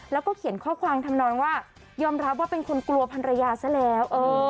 แล้วก็เขียนข้อความทำนองว่ายอมรับว่าเป็นคนกลัวพันรยาซะแล้ว